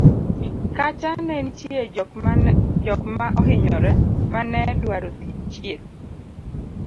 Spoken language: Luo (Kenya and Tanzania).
kacha ne nitie jok ma ohinyore mane dwaro chieth